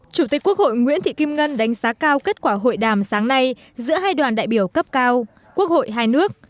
chủ tịch quốc hội nguyễn thị kim ngân đánh giá cao kết quả hội đàm sáng nay giữa hai đoàn đại biểu cấp cao quốc hội hai nước